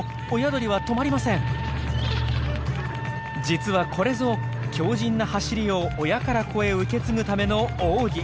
実はこれぞ強じんな「走り」を親から子へ受け継ぐための奥義。